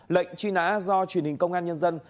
lệnh truy nã do truyền hình công an nhân dân